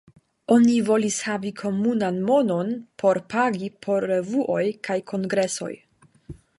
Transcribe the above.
Oni volis havi komunan monon por pagi por revuoj kaj kongresoj.